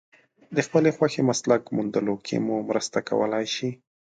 د خپلې خوښې مسلک موندلو کې مو مرسته کولای شي.